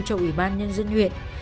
cho ủy ban nhân dân huyện